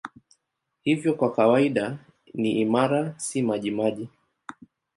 Hivyo kwa kawaida ni imara, si majimaji.